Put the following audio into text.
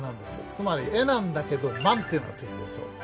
つまり絵なんだけど「漫」っていうのが付いてるでしょ？